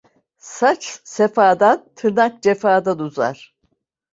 Saç sefadan, tırnak cefadan uzar.